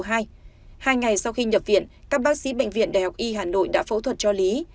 hai ngày sau khi nhập viện các bác sĩ bệnh viện đại học y hà nội đã phẫu thuật cho lý